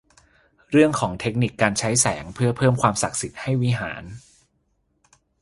เรื่องของเทคนิคการใช้แสงเพื่อเพิ่มความศักดิ์สิทธิ์ให้วิหาร